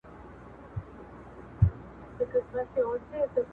او احسان كولو